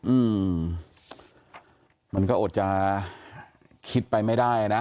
อืมมันก็อดจะคิดไปไม่ได้นะ